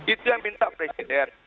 itu yang minta presiden